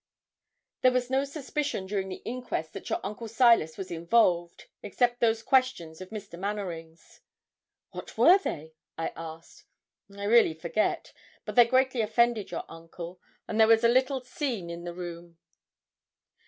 There was no suspicion during the inquest that your uncle Silas was involved, except those questions of Mr. Manwaring's.' 'What were they?' I asked. 'I really forget; but they greatly offended your uncle, and there was a little scene in the room.